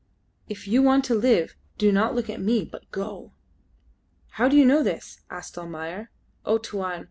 If you want to live, do not look at me, but go!" "How do you know this?" asked Almayer. "Oh, Tuan!